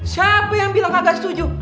siapa yang bilang agak setuju